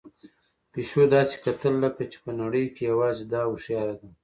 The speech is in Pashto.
پيشو داسې کتل لکه چې په نړۍ کې یوازې ده هوښیار ده.